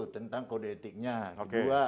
tentang kode etiknya kedua